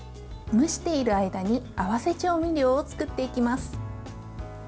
蒸している間に合わせ調味料を作っていきます。